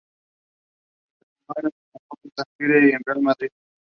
Con Valdano, trabajó en el Tenerife y en el Real Madrid.